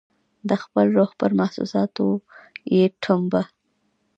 د خپل روح پر محسوساتو یې ټومبه